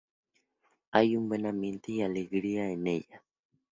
Hay un buen ambiente y alegría en ellas.